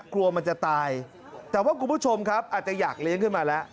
กลัวมันจะตายแต่ว่าคุณผู้ชมครับอาจจะอยากเลี้ยงขึ้นมาแล้ว